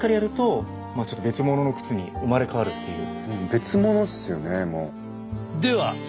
別物っすよねもう。